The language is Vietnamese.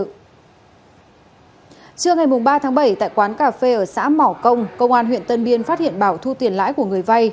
trưa ngày ba tháng bảy tại quán cà phê ở xã mỏ công công an huyện tân biên phát hiện bảo thu tiền lãi của người vay